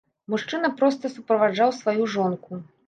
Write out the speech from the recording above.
Мужчына проста суправаджаў сваю жонку.